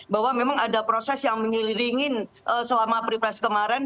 bahwa memang ada proses yang mengiringi selama peripres kemarin